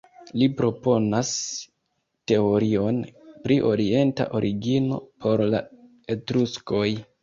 Li proponas teorion pri orienta origino por la Etruskoj.